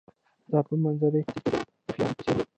دا په منځني ختیځ کې د ناتوفیانو په څېر و